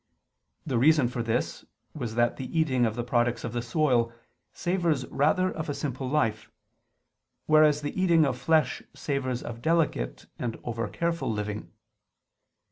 The reason for this was that the eating of the products of the soil savors rather of a simple life; whereas the eating of flesh savors of delicate and over careful living.